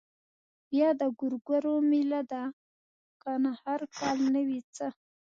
بيا د ګورګورو مېله ده کنه هر کال نه وي څه.